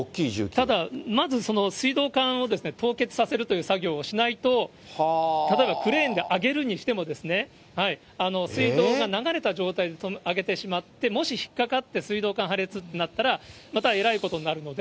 ただ、まず水道管を凍結させるという作業をしないと、例えばクレーンで上げるにしても、水道が流れた状態で上げてしまって、もし引っ掛かって水道管破裂ってなったら、またえらいことになるので。